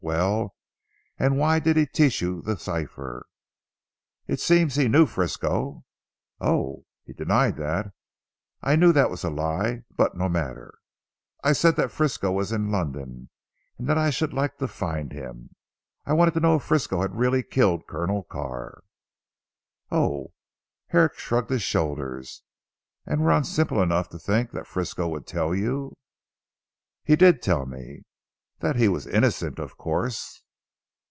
Well, and why did he teach you the cipher." "It seems he knew Frisco " "Oh! He denied that. I knew that was a lie; but no matter." "I said that Frisco was in London, and that I should like to find him. I wanted to know if Frisco had really killed Colonel Carr." "Oh!" Herrick shrugged his shoulders, "and were on simple enough to think that Frisco would tell you?" "He did tell me " "That he was innocent of course?"